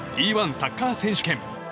Ｅ‐１サッカー選手権。